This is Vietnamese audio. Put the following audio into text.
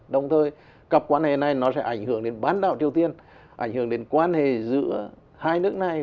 đồng thời cặp quan hệ này nó sẽ ảnh hưởng đến bán đảo triều tiên ảnh hưởng đến quan hệ giữa hai nước này